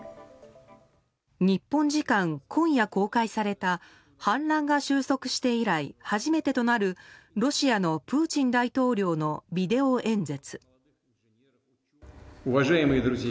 日本時間、今夜公開された反乱が収束して以来初めてとなるロシアのプーチン大統領のビデオ演説。